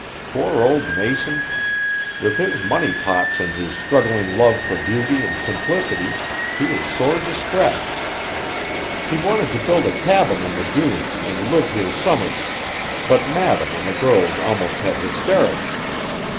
Poor old Mason! With his money pots and his struggling love for beauty and simplicity, he is sore distressed. He wanted to build a cabin on the dunes and live here summers, but Madam and the girls almost had hysterics.